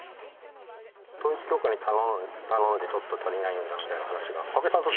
統一教会に頼んで、ちょっと足りないんだみたいな話が、安倍さんと？